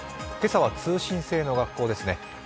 今朝は通信制の学校ですね。